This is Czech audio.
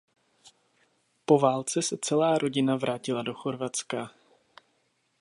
Po válce se celá rodina vrátila do Chorvatska.